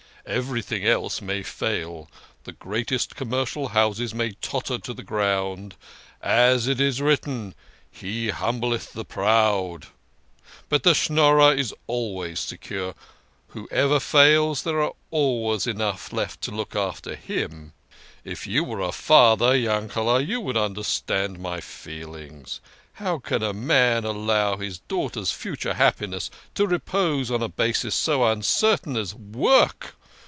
" Every thing else may fail the greatest commercial houses may totter to the ground ; as it is written, He humbleth the proud.' But the Schnorrer is always secure. Whoever falls, there are always enough left to look after him. If you were a father, Yankele", you would understand my feelings. How can a man allow his daughter's future happiness to repose on a basis so uncertain as work?